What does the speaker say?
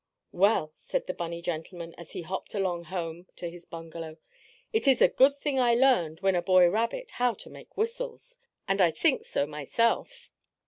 "Well," said the bunny gentleman as he hopped along home to his bungalow, "it is a good thing I learned, when a boy rabbit, how to make whistles." And I think so myself.